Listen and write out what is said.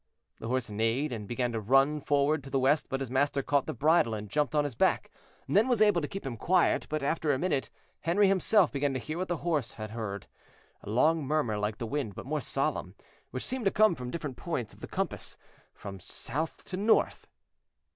The horse neighed and began to run forward to the west, but his master caught the bridle and jumped on his back, and then was able to keep him quiet. But after a minute, Henri himself began to hear what the horse had heard. A long murmur, like the wind, but more solemn, which seemed to come from different points of the compass, from south to north.